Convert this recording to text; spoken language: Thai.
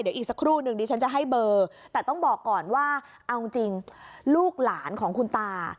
เดี๋ยวอีกสักครู่นึงดิฉันจะให้เบอร์แต่ต้องบอกก่อนว่าเอาจริงลูกหลานของคุณตา